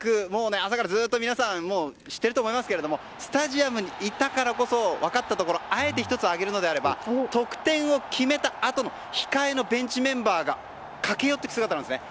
朝からずっと皆さん、知っていると思いますがスタジアムにいたからこそ分かったことあえて１つ挙げるとすれば得点を挙げたあと控えのベンチメンバーが駆け寄っていく姿なんです。